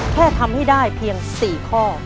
แค่ทำให้ได้เพียง๔ข้อ